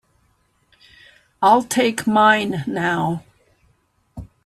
I'll take mine now.